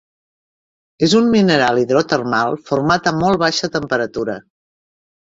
És un mineral hidrotermal format a molt baixa temperatura.